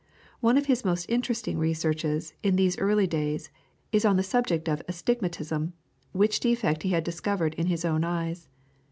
One of his most interesting researches in these early days is on the subject of Astigmatism, which defect he had discovered in his own eyes.